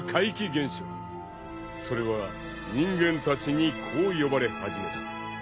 ［それは人間たちにこう呼ばれ始めた］